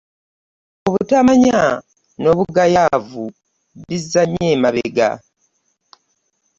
Obutamanya n'obugayaavu bizza nnyo emabega.